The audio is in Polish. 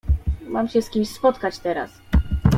"Mam się z kimś spotkać teraz."